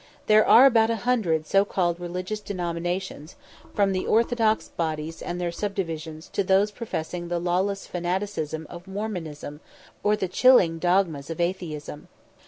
There are about a hundred so called religious denominations, from the orthodox bodies and their subdivisions to those professing the lawless fanaticism of Mormonism, or the chilling dogmas of Atheism.